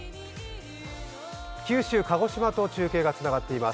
九州・鹿児島と中継がつながっています。